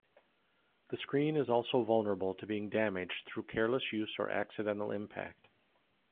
The screen is also vulnerable to being damaged through careless use or accidental impact.